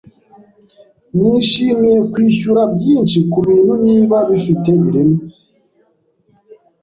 Nishimiye kwishyura byinshi kubintu niba bifite ireme.